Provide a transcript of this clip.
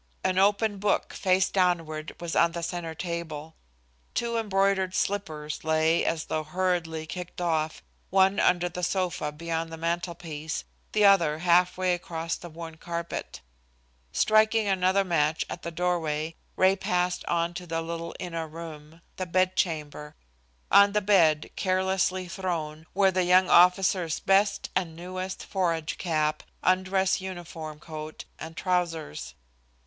An open book, face downward, was on the centre table. Two embroidered slippers lay as though hurriedly kicked off, one under the sofa beyond the mantelpiece, the other half way across the worn carpet. Striking another match at the doorway, Ray passed on to the little inner room, the bed chamber. On the bed, carelessly thrown, were the young officer's best and newest forage cap, undress uniform coat and trousers.